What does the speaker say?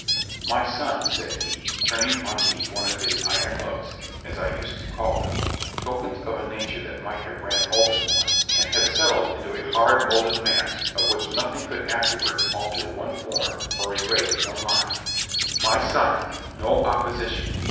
"My son," said he, turning on me one of his "iron looks," as I used to call them tokens of a nature that might have ran molten once, and had settled into a hard, moulded mass, of which nothing could afterwards alter one form, or erase one line "My son, no opposition.